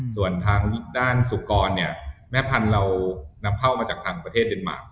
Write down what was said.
ส่วนทางด้านสุกรเนี่ยแม่พันธุ์เรานำเข้ามาจากทางประเทศเดนมาร์